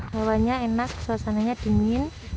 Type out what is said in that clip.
kawanya enak suasananya dingin